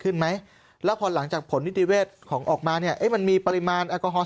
ขึ้นไหมแล้วพอหลังจากผลนิติเวศของออกมาเนี่ยเอ๊ะมันมีปริมาณแอลกอฮอล